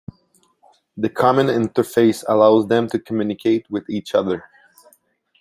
The Common Interface allows them to communicate with each other.